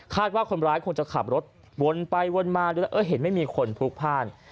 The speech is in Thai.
ว่าคนร้ายคงจะขับรถวนไปวนมาดูแล้วเห็นไม่มีคนพลุกพ่าน